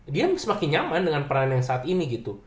dia semakin nyaman dengan peran yang saat ini gitu